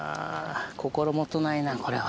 心もとないな、これは。